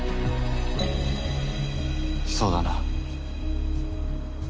そうだな。